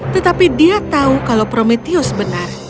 tetapi dia tahu kalau prometheus benar